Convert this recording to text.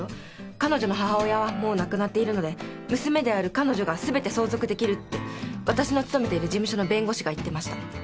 彼女の母親はもう亡くなっているので娘である彼女がすべて相続できるってわたしの勤めている事務所の弁護士が言ってました。